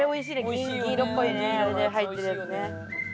銀色っぽいのにね入ってるやつね。